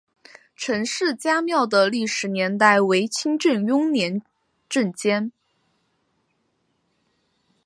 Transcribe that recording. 陈氏家庙的历史年代为清代雍正年间。